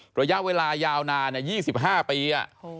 ระยะเวลายาวนาน๒๕ปี